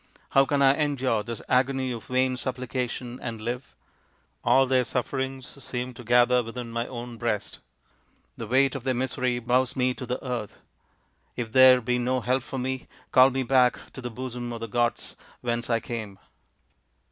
How can I endure this agony of vain suppli cation and live ? All their sufferings seem to gather within my own breast. The weight of their misery bows me to the earth. If there be no help for me, call me back to the bosom of the gods whence I came.